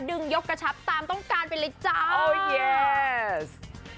ดึงยกกระชับตามต้องการไปเลยจ้าโอ้ยี๊ย